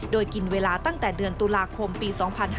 โดยกินเวลาตั้งแต่เดือนตุลาคมปี๒๕๕๙